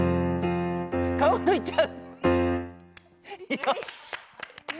よし！